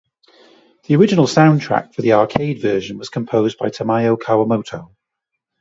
The original soundtrack for the arcade version was composed by Tamayo Kawamoto.